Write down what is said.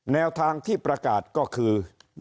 แนวทางที่ประกาศก็คือ